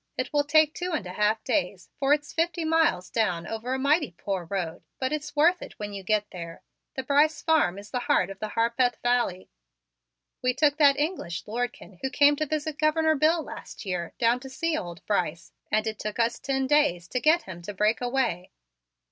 It will take two and a half days, for it's fifty miles down over a mighty poor road, but it's worth it when you get there. The Brice farm is the heart of the Harpeth Valley. We took that English Lordkin, who came to visit Governor Bill last year, down to see old Brice, and it took us ten days to get him to break away."